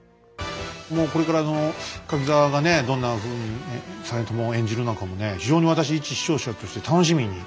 もうこれから柿澤がどんなふうに実朝を演じるのかもね非常に私一視聴者として楽しみに。